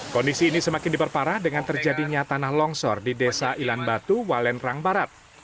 kondisi ini semakin diperparah dengan terjadinya tanah longsor di desa ilan batu walendrang barat